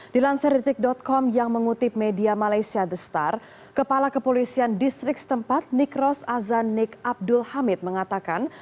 di lanseretik com yang mengutip media malaysia the star kepala kepolisian distrik setempat nikros azanik abdul hamid mengatakan